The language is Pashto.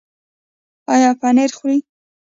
ایا پنیر خورئ؟